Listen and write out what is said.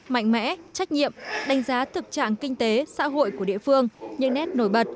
mạnh mẽ trách nhiệm đánh giá thực trạng kinh tế xã hội của địa phương những nét nổi bật